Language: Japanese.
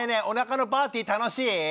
おなかのパーティ楽しい？